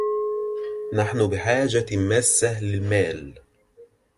نحن بحاجة ماسة للمال.